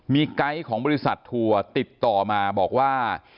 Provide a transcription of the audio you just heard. มีไกด์ของบริษัททัวร์ติดต่อมาบอกว่า